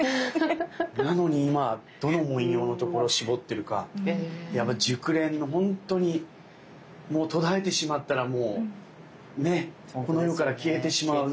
なのに今どの文様のところ絞ってるか熟練のほんとに途絶えてしまったらもうねっこの世から消えてしまう。